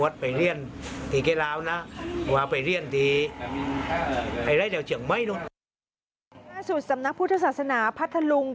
ล่าสุดสำนักพุทธศาสนาพัทธลุง